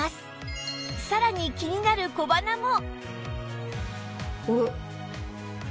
さらに気になる小鼻も